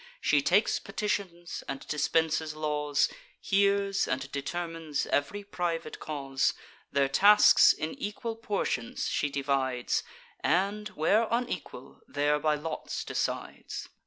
She takes petitions, and dispenses laws, Hears and determines ev'ry private cause; Their tasks in equal portions she divides, And, where unequal, there by lots decides.